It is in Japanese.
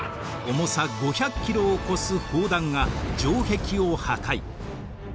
重さ５００キロを超す砲弾が城壁を破壊。